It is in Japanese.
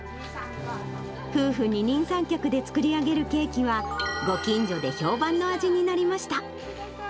夫婦二人三脚で作り上げるケーキは、ご近所で評判の味になりました。